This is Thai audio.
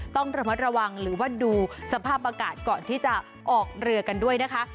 ต้องระมัดระวังหรือว่าดูสภาพอากาศก่อนที่จะออกเรือกันด้วยนะคะ